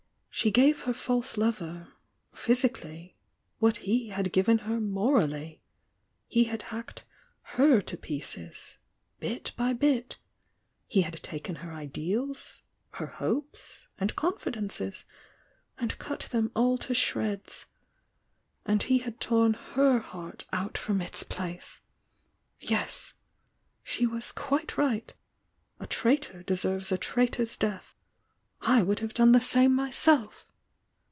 "She gave her false lover, physically, wjjat he had given her morally. He had hacked her to pieces, — bit by bit! — he had taken her ideals, her hopes and confidences, and cut them all to shreds — and he had torn her heart out from its place! Yes! — she was quite right! — a traitor deserves a traitor's death! — I would have done the same myself!"